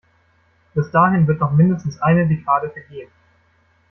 Bis dahin wird noch mindestens eine Dekade vergehen.